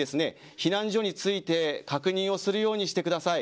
避難所について確認をするようにしてください。